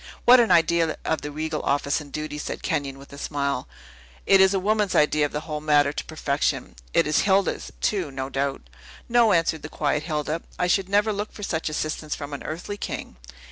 "What an idea of the regal office and duty!" said Kenyon, with a smile. "It is a woman's idea of the whole matter to perfection. It is Hilda's, too, no doubt?" "No," answered the quiet Hilda; "I should never look for such assistance from an earthly king."